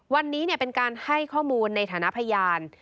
วันนี้เป็นการให้ข้อมูลในฐานะพยาน